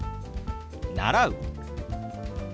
「習う」。